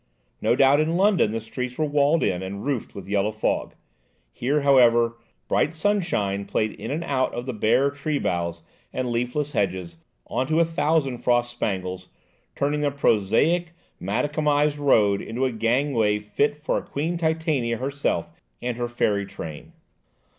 No doubt in London the streets were walled in and roofed with yellow fog; here, however, bright sunshine played in and out of the bare tree boughs and leafless hedges on to a thousand frost spangles, turning the prosaic macadamized road into a gangway fit for Queen Titania herself and her fairy train.